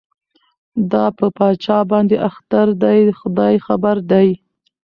دا په چا باندي اختر دی خداي خبر دی